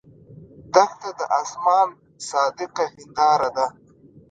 دښته د آسمان صادقه هنداره ده.